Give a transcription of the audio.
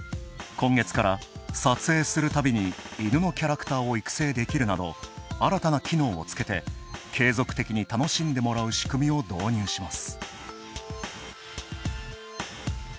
今月から撮影するたびに犬のキャラクターを育成できるなど新たな機能をつけて、継続的に楽しんでもらう仕組みを導入します。